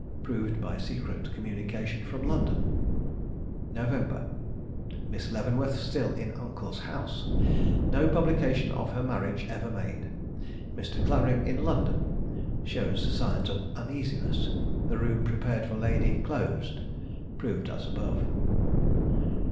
Proved by secret communication from London. "November. Miss Leavenworth still in uncle's house. No publication of her marriage ever made. Mr. Clavering in London; shows signs of uneasiness; the room prepared for lady closed. _Proved as above.